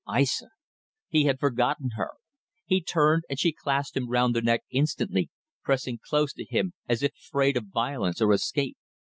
Aissa! He had forgotten her. He turned, and she clasped him round the neck instantly, pressing close to him as if afraid of violence or escape.